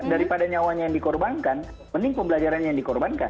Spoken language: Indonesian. daripada nyawanya yang dikorbankan mending pembelajaran yang dikorbankan